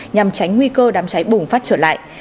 nhằm tránh nguy cơ đám cháy bùng phát trở lại